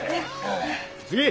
次！